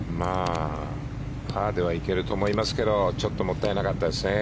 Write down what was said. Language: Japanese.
パーでは行けると思いますけどちょっともったいなかったですね